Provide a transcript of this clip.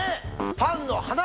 パンの鼻。